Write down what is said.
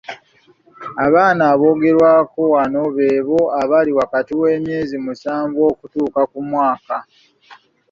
Abaana aboogerwako wano be abo abali wakati w’emyezi musanvu okutuuka ku mwaka .